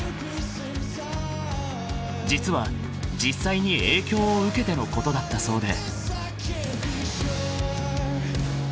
［実は実際に影響を受けてのことだったそうで］